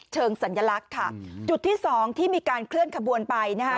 จุดที่๒ที่มีการเคลื่อนขบวนไปนะฮะ